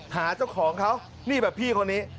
หาเจ้าของเขานี่แบบพี่คนนี้